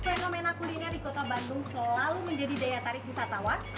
fenomena kuliner di kota bandung selalu menjadi daya tarik wisatawan